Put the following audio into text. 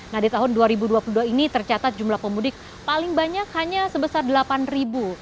nah di tahun dua ribu dua puluh dua ini tercatat jumlah pemudik paling banyak hanya sebesar delapan ribu